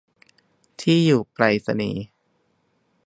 ที่อยู่ไปรษณีย์